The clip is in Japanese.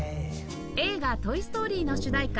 映画『トイ・ストーリー』の主題歌